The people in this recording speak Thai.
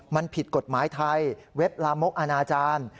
มันผิดกฎหมายไทยเว็บลามกอนาจารย์